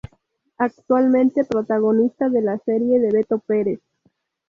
Actualmente protagonista de la serie de Beto Perez.